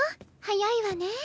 早いわね。